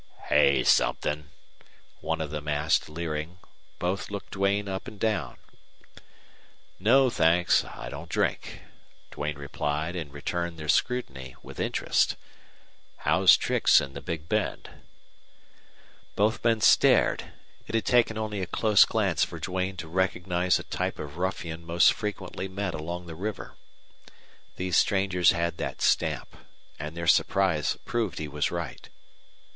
"Hey somethin'?" one of them asked, leering. Both looked Duane up and down. "No thanks, I don't drink," Duane replied, and returned their scrutiny with interest. "How's tricks in the Big Bend?" Both men stared. It had taken only a close glance for Duane to recognize a type of ruffian most frequently met along the river. These strangers had that stamp, and their surprise proved he was right.